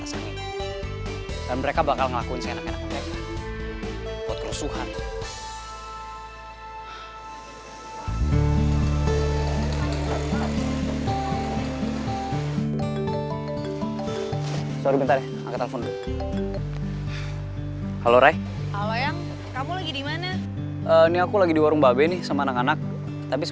yang paling penting itu refleks